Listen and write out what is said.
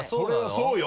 そうよ！